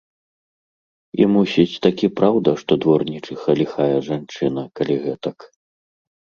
І, мусіць, такі праўда, што дворнічыха ліхая жанчына, калі гэтак.